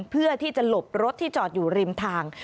เพื่อที่จะหลบรถที่จอดอยู่ริมทาง